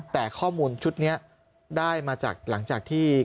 แต่ข้อมูลชุดนี้ได้มาจากหลังจากที่